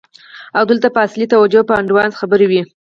او دلته به اصلی توجه په آډوانس خبرو وی.